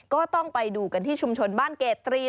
ก็ต้องไปดูกันที่ชุมชนบ้านเกตรี